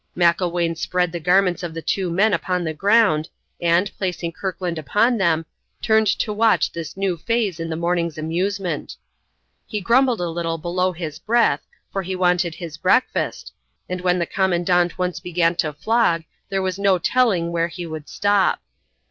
Macklewain spread the garments of the two men upon the ground, and, placing Kirkland upon them, turned to watch this new phase in the morning's amusement. He grumbled a little below his breath, for he wanted his breakfast, and when the Commandant once began to flog there was no telling where he would stop.